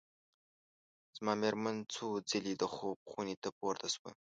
زما مېرمن څو ځلي د خوب خونې ته پورته شوه.